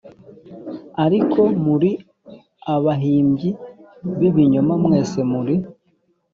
Ariko muri abahimbyi b’ibinyoma, Mwese muri